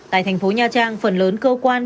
tại thành phố nha trang phần lớn cơ quan